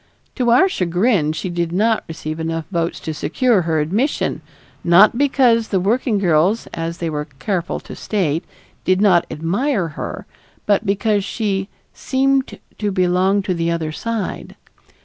To our chagrin, she did not receive enough votes to secure her admission, not because the working girls, as they were careful to state, did not admire her, but because she "seemed to belong to the other side."